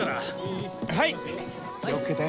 気を付けて。